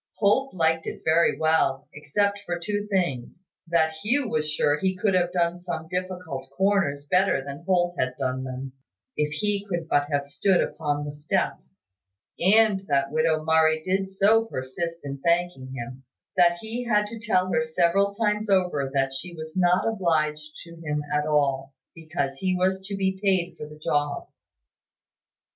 Holt liked it very well, except for two things: that Hugh was sure he could have done some difficult corners better than Holt had done them, if he could but have stood upon the steps; and that widow Murray did so persist in thanking him, that he had to tell her several times over that she was not obliged to him at all, because he was to be paid for the job.